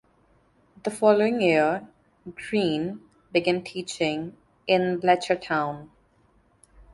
The following year Greene began teaching in Belchertown.